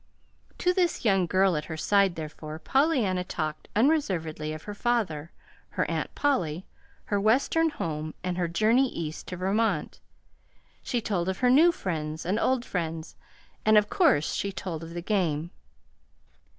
To this young girl at her side, therefore, Pollyanna talked unreservedly of her father, her Aunt Polly, her Western home, and her journey East to Vermont. She told of new friends and old friends, and of course she told of the game.